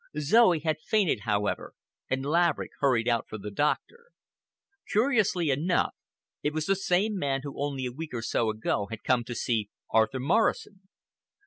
Zoe had fainted, however, and Laverick hurried out for the doctor. Curiously enough, it was the same man who only a week or so ago had come to see Arthur Morrison.